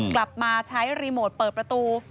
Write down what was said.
กลับมาใช้รีโมทเปิดประตู